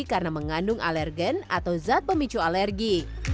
karena mengandung alergen atau zat pemicu alergi